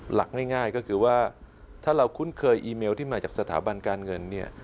หลักง่ายก็คือว่าถ้าเราคุ้นเคยอีเมลที่มาจากสถาบันการเงินเนี่ย